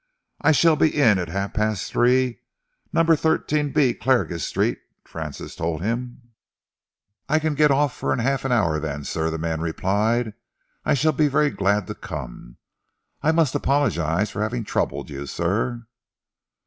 "I shall be in at half past three, number 13 b, Clarges Street," Francis told him. "I can get off for half an hour then, sir," the man replied. "I shall be very glad to come. I must apologise for having troubled you, sir."